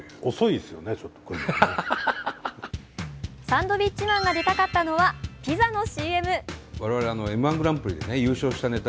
サンドウィッチマンが出たかったのはピザのＣＭ。